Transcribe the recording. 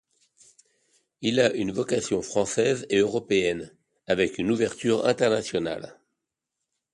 Il a une vocation française et européenne, avec une ouverture internationale.